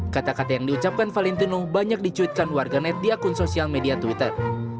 kata kata yang diucapkan valentino banyak dicuitkan warganet di akun sosial media twitter